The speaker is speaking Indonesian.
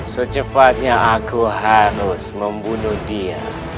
secepatnya aku harus membunuh dia